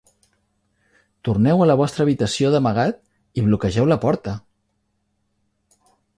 Torneu a la vostra habitació d'amagat i bloquegeu la porta.